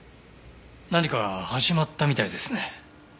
何か始まったみたいですね。